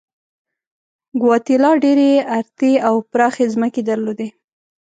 ګواتیلا ډېرې ارتې او پراخې ځمکې درلودلې.